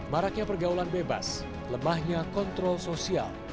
maraknya pergaulan bebas lemahnya kontrol sosial